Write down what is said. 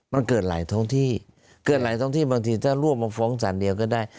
มันเกิดหลายท้องที่เกิดหลายท้องที่บางทีถ้ารวบมาฟ้องสารเดียวก็ได้